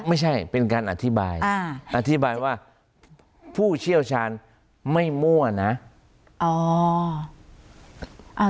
ไม่ใช่เป็นการอธิบายอธิบายว่าผู้เชี่ยวชาญไม่มั่วนะ